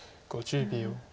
５０秒。